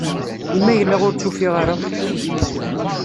I ma yella ur tt-ufiɣ ara?